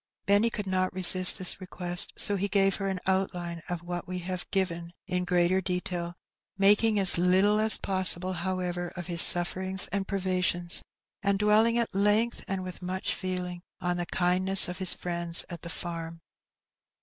Benny could not resist this request, so he gave her an outline of what we have given in greater detail, making as little as possible, however, of his suflFerings and privations, and dwelling at length, and with much feeling, on the kindness of his friends at the farm.